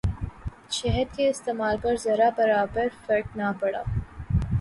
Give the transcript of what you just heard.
شہد کے استعمال پر ذرہ برابر فرق نہ پڑا۔